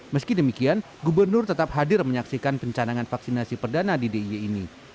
meski demikian gubernur tetap hadir menyaksikan pencanangan vaksinasi perdana di d i y ini